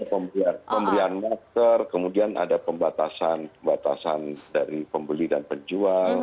pemberian marker kemudian ada pembatasan dari pembeli dan penjual